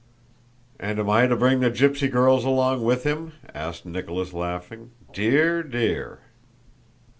"And am I to bring the gypsy girls along with him?" asked Nicholas, laughing. "Dear, dear!..."